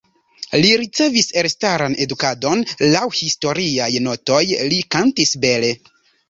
Li ricevis elstaran edukadon, laŭ historiaj notoj, li kantis bele.